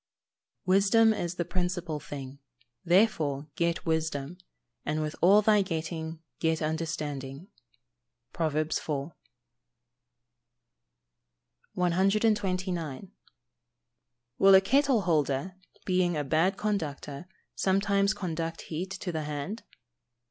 [Verse: "Wisdom is the principal thing; therefore get wisdom: and with all thy getting get understanding." PROVERBS IV.] 129. _Will a kettle holder, being a bad conductor, sometimes conduct heat to the hand?